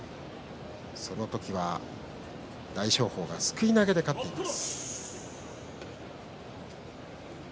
その時は大翔鵬がすくい投げで勝っています。